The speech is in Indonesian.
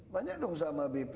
banyak dong sama bp